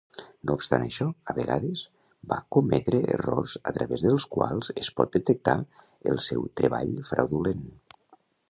No obstant això, a vegades va cometre errors a través dels quals es pot detectar el seu treball fraudulent.